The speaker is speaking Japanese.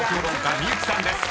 美有姫さんです］